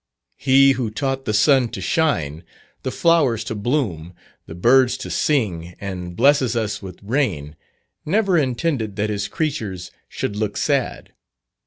He who taught the sun to shine, the flowers to bloom, the birds to sing, and blesses us with rain, never intended that his creatures should look sad.